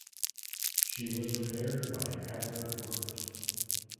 She was repaired by Adler Werft.